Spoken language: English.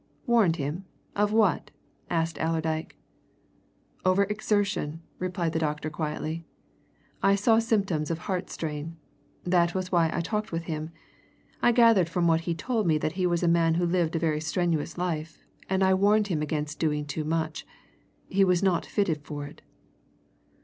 "Warned him? Of what!" asked Allerdyke. "Over exertion," replied the doctor quietly. "I saw symptoms of heart strain. That was why I talked with him. I gathered from what he told me that he was a man who lived a very strenuous life, and I warned him against doing too much. He was not fitted for it."